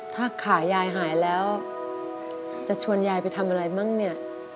ถ้าขายายหายแล้วจะชวนยายไปทำอะไรบ้างเนี่ย